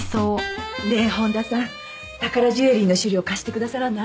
ねえ本田さん宝ジュエリーの資料貸してくださらない？